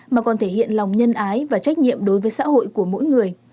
mà còn thể hiện lòng nhân ái và trách nhiệm đối với xã hội của mỗi người